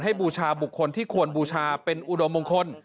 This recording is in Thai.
บูชาบุคคลที่ควรบูชาเป็นอุดมมงคล